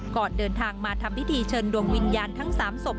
ก่อนเดินทางมาทำพิธีเชิญดวงวิญญาณทั้ง๓ศพ